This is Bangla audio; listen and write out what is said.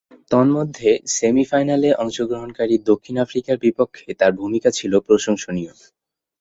তন্মধ্যে, সেমি-ফাইনালে অংশগ্রহণকারী দক্ষিণ আফ্রিকার বিপক্ষে তার ভূমিকা ছিল প্রশংসনীয়।